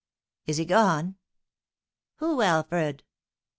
"Is he gone?" "Who, Alfred?"